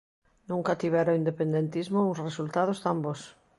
Nunca tivera o independentismo uns resultados tan bos.